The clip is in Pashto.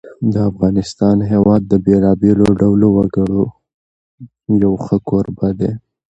د افغانستان هېواد د بېلابېلو ډولو وګړو یو ښه کوربه دی.